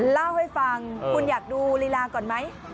เล่าให้ฟังคุณอยากดูลีลาก่อนไหม